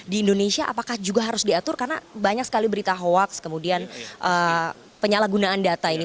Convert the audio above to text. di indonesia apakah juga harus diatur karena banyak sekali berita hoax kemudian penyalahgunaan data ini